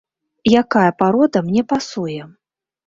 Якая парода мне пасуе?